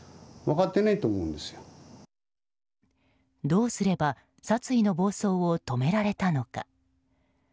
どうすれば殺意の暴走を止められたのか。